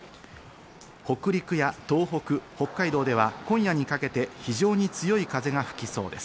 北陸や東北、北海道では今夜にかけて非常に強い風が吹きそうです。